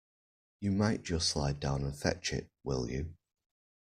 You might just slide down and fetch it, will you?